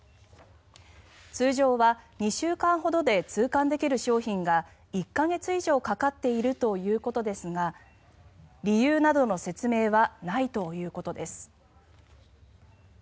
通常は２週間ほどで通関できる商品が１か月以上かかっているということですが理由などの説明はないということです。